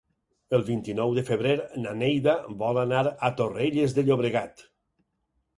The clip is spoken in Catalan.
El vint-i-nou de febrer na Neida vol anar a Torrelles de Llobregat.